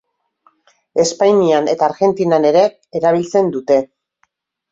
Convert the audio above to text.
Espainian eta Argentinan ere erabiltzen dute.